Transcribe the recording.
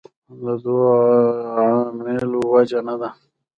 دوو عاملو وجه نه ده.